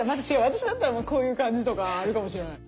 私だったらこういう感じとかあるかもしれない。